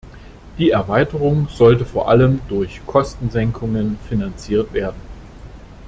Die Erweiterung sollte vor allem durch Kostensenkungen finanziert werden.